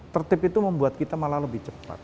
tertib itu membuat kita malah lebih cepat